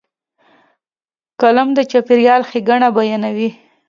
قلم د چاپېریال ښېګڼه بیانوي